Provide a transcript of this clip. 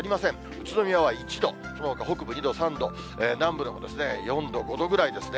宇都宮は１度、そのほか北部、２度、３度、南部でも４度、５度ぐらいですね。